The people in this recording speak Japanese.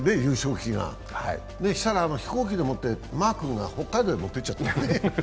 そうしたら、飛行機でもってマー君が北海道に持っていっちゃったね。